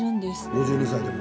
５２歳でも？